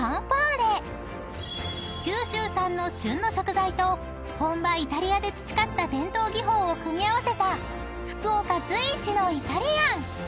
［九州産の旬の食材と本場イタリアで培った伝統技法を組み合わせた福岡随一のイタリアン］